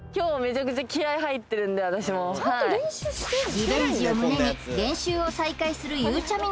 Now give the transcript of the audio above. リベンジを胸に練習を再開するゆうちゃみ